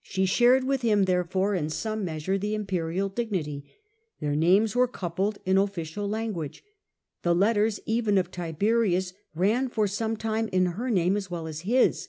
She Augusta, shared with him, therefore, in some measure the imperial dignity ; their names were coupled in official language ; the letters even of Tiberius ran for some time in her name as well as his.